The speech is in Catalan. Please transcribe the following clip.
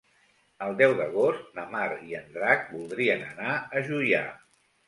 El deu d'agost na Mar i en Drac voldrien anar a Juià.